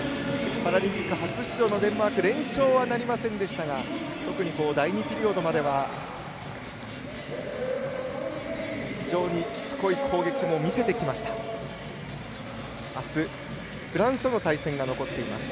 パラリンピック初出場のデンマーク連勝はなりませんでしたが特に第２ピリオドまでは非常にしつこい攻撃も見せてきました。